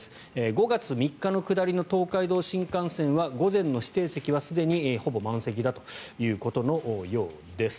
５月３日の下りの東海道新幹線は午前の指定席はすでにほぼ満席だということです。